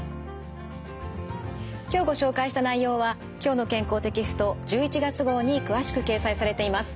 今日ご紹介した内容は「きょうの健康」テキスト１１月号に詳しく掲載されています。